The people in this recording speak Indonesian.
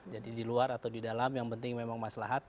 jadi di luar atau di dalam yang penting memang maslahat